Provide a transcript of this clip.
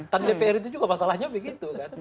kan dpr itu juga masalahnya begitu kan